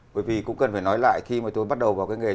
bởi vì cũng cần phải nói lại khi mà tôi bắt đầu vào cái nghề